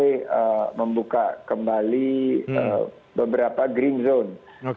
saya ingin membuka kembali beberapa green zone